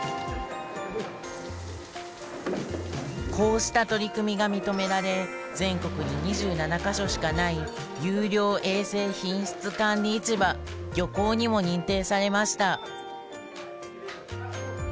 こうした取り組みが認められ全国に２７か所しかない優良衛生品質管理市場・漁港にも認定されました